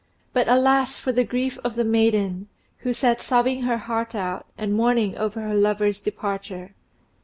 ] But alas for the grief of the maiden, who sat sobbing her heart out and mourning over her lover's departure!